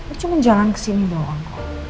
itu cuma jalan kesini doang